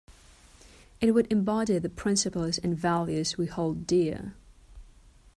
It would embody the principles and values we hold dear.